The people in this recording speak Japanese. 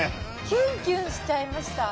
キュンキュンしちゃいました。